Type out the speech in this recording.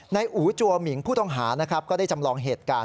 นายอูจัวมิงผู้ต้องหาก็ได้จำลองเหตุการณ์